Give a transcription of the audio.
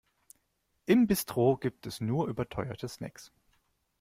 Im Bistro gibt es nur überteuerte Snacks.